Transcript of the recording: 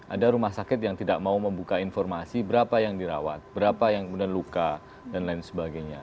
ada rumah sakit yang tidak mau membuka informasi berapa yang dirawat berapa yang kemudian luka dan lain sebagainya